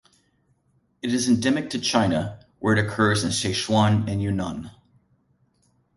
It is endemic to China, where it occurs in Sichuan and Yunnan.